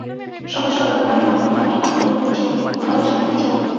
সহজ–সরল গ্রামের মানুষগুলোর মনে আনন্দের কমতি ছিল না, ভালোবাসার কমতি ছিল না।